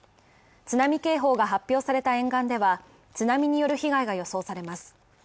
津波警報が発表された沿岸では、津波による被害が予想されます。